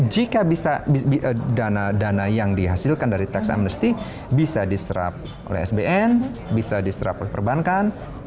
jika bisa dana dana yang dihasilkan dari tax amnesty bisa diserap oleh sbn bisa diserap oleh perbankan